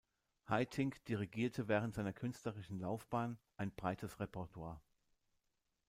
Haitink dirigierte während seiner künstlerischen Laufbahn ein breites Repertoire.